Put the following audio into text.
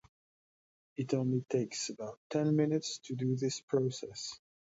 It only takes about ten minutes to do this process.